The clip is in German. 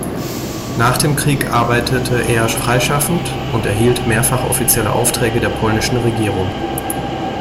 Nach dem Krieg arbeitete er freischaffend und erhielt mehrfach offizielle Aufträge der polnischen Regierung.